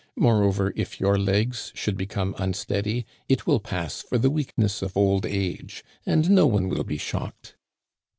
Moreover, if your legs should become unsteady, it will pass for the weakness of old age, and no one will be shocked."